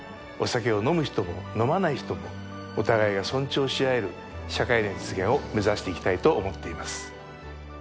お酒を飲む人も飲まない人もお互いが尊重し合える社会の実現を目指していきたいと思っています。